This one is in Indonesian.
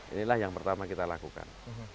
inilah yang pertama kita lakukan